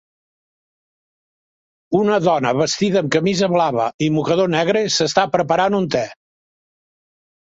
Una dona vestida amb camisa blava i mocador negre s'està preparant un te